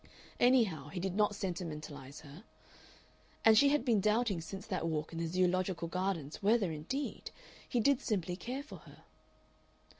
Anyhow, he did not sentimentalize her. And she had been doubting since that walk in the Zoological Gardens whether, indeed, he did simply care for her.